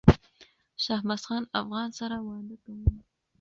شهبازخان افغان سره واده کوم